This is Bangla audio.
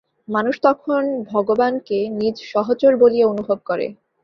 মানুষ তখন ভগবানকে নিজ সহচর বলিয়া অনুভব করে।